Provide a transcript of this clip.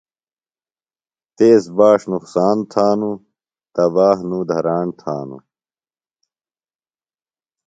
تیز باݜ نُقصان تھانوۡ، تباہ نوۡ دھراݨ تھانوۡ